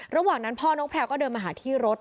ระหว่างนั้นพ่อน้องแพลวก็เดินมาหาที่รถ